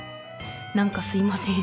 何かすいません。